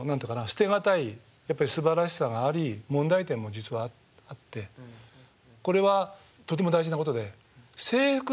捨てがたいやっぱりすばらしさがあり問題点も実はあってこれはとても大事なことで。